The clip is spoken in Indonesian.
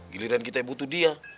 giliran kita yang butuh dia